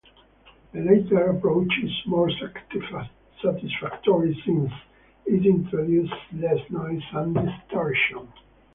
The latter approach is more satisfactory since it introduces less noise and distortion.